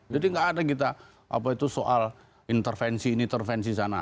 jadi tidak ada kita soal intervensi ini intervensi sana